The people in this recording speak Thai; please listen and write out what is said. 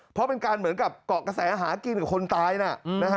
เพราะเป็นการเหมือนกับเกาะกระแสหากินกับคนตายนะ